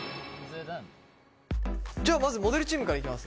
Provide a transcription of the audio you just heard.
じゃあまずモデルチームからいきます？